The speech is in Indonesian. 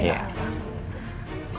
saya gak akan lakukan